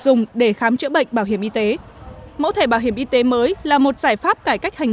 dùng để khám chữa bệnh bảo hiểm y tế mẫu thẻ bảo hiểm y tế mới là một giải pháp cải cách hành